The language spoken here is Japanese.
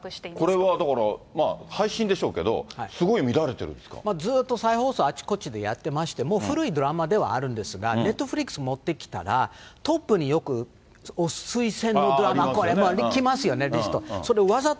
これはだから、まあ配信でしょうけど、すごい見られてるんでずっと再放送、あちこちでやってまして、もう古いドラマではあるんですが、ネットフリックスもってきたら、トップによく推薦のドラマ、これって出てきますよね、リスト。